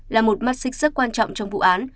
là một mắt xích rất quan trọng trong vụ án